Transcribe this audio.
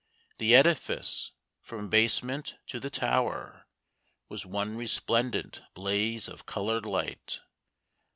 The edifice from basement to the tower Was one resplendent blaze of colored light.